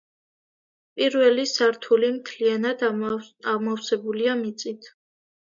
პირველი სართული მთლიანად ამოვსებულია მიწით.